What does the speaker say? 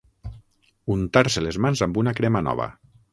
Untar-se les mans amb una crema nova.